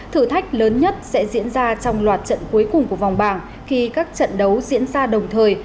thử thách lớn nhất sẽ diễn ra trong loạt trận cuối cùng của vòng bảng khi các trận đấu diễn ra đồng thời